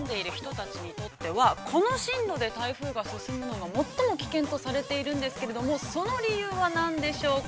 関東地区に住んでいる人たちにとっては、この進路で台風が進むのが、最も危険とされているんですが、その理由は何でしょうか。